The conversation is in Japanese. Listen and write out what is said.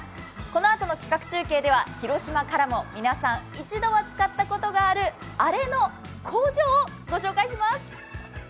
このあとの企画中継では広島からも皆さん一度は使ったことがあるあれの工場を御紹介します。